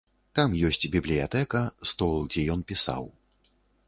Там ёсць бібліятэка, стол, дзе ён пісаў.